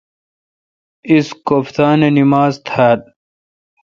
اس کوفتانہ نماز تھال۔